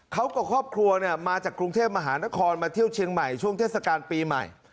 เขากับครอบครัวมาจากกรุงเทพมหานครมาเที่ยวเชียงใหม่ช่วงเทศกาลปีใหม่